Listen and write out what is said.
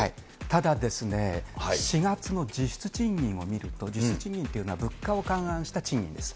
ただですね、４月の実質賃金を見ると、実質賃金というのは物価を勘案した賃金です。